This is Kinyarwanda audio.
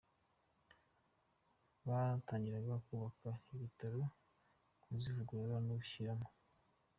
batangiraga kubaka ibi bitaro, kuzivugurura no gushyiramo